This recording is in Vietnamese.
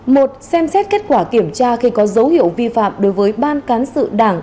một xem xét kết quả kiểm tra khi có dấu hiệu vi phạm đối với ban cán sự đảng